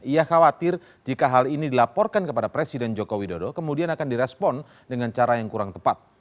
ia khawatir jika hal ini dilaporkan kepada presiden joko widodo kemudian akan direspon dengan cara yang kurang tepat